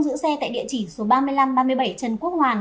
tỉ số ba mươi năm ba mươi bảy trần quốc hoàn